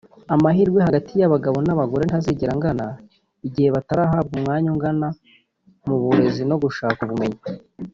Amahirwe hagati y’abagabo n’abagore ntazigera angana igihe batarahabwa umwanya ungana mu burezi no gushaka ubumenyi